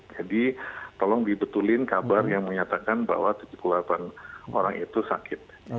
tolong dibetulin kabar yang menyatakan bahwa tujuh puluh delapan orang itu sakit